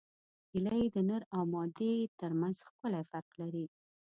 هیلۍ د نر او مادې ترمنځ ښکلی فرق لري